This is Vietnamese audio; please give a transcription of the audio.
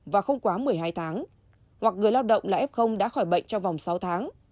và không quá một mươi hai tháng hoặc người lao động là f đã khỏi bệnh trong vòng sáu tháng